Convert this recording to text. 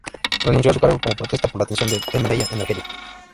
Renunció a su cargo como protesta por la detención de Ben Bella en Argelia.